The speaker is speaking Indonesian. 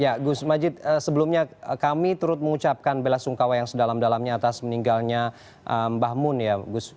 ya gus majid sebelumnya kami turut mengucapkan bela sungkawa yang sedalam dalamnya atas meninggalnya mbah mun ya